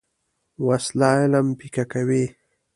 وسله علم پیکه کوي